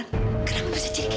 siapa kenapa bisa jadi seperti ini